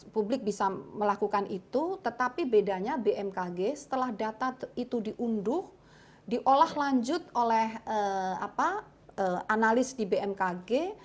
publik bisa melakukan itu tetapi bedanya bmkg setelah data itu diunduh diolah lanjut oleh analis di bmkg